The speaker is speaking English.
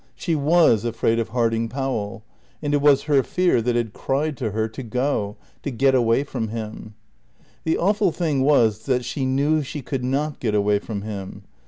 She was afraid of Harding Powell; and it was her fear that had cried to her to go, to get away from him. The awful thing was that she knew she could not get away from him.